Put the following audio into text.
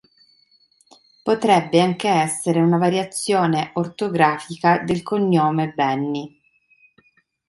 Potrebbe anche essere una variazione ortografica del cognome Benni.